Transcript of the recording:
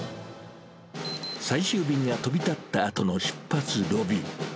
最終便が飛び立ったあとの出発ロビー。